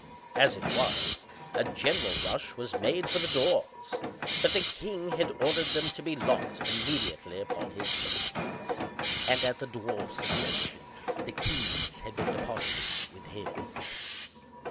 As it was, a general rush was made for the doors; but the king had ordered them to be locked immediately upon his entrance; and, at the dwarf's suggestion, the keys had been deposited with him.